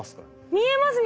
見えますね。